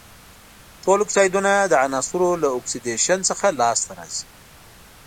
ټول اکسایدونه د عناصرو له اکسیدیشن څخه لاس ته راځي.